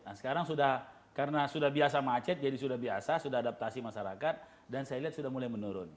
nah sekarang sudah karena sudah biasa macet jadi sudah biasa sudah adaptasi masyarakat dan saya lihat sudah mulai menurun